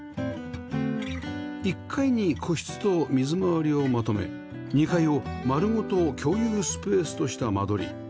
１階に個室と水回りをまとめ２階を丸ごと共有スペースとした間取り